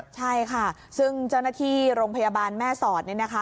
ใช่ค่ะซึ่งเจ้าหน้าที่โรงพยาบาลแม่สอดนี่นะคะ